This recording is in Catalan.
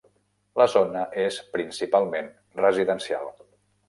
La zona és principalment residencial.